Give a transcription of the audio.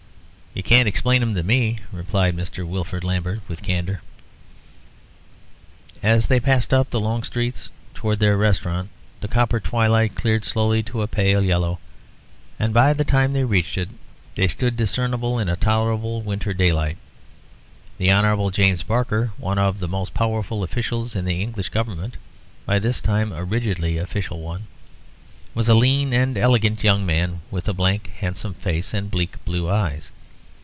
"You can't explain them to me," replied Mr. Wilfrid Lambert, with candour. As they passed up the long streets towards their restaurant the copper twilight cleared slowly to a pale yellow, and by the time they reached it they stood discernible in a tolerable winter daylight. The Honourable James Barker, one of the most powerful officials in the English Government (by this time a rigidly official one), was a lean and elegant young man, with a blank handsome face and bleak blue eyes.